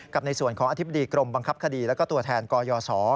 ในส่วนของอธิบดีกรมบังคับคดีแล้วก็ตัวแทนกยศ